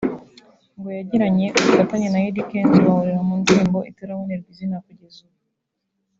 ngo yagiranye ubufatanye na Eddy Kenzo bahurira mu ndirimbo itarabonerwa izina kugeza ubu